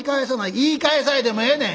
「言い返さいでもええねん」。